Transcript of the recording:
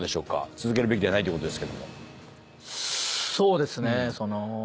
続けるべきではないということですけども。